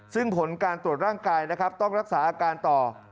ซึ่งผลการตรวจร่างกายนะครับต้องรักษาอาการต่อ